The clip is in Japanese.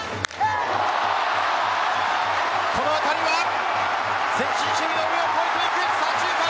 この当たりは前進守備の上を越えていく左中間。